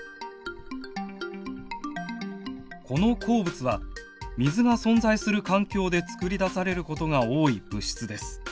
この鉱物は水が存在する環境でつくり出されることが多い物質です。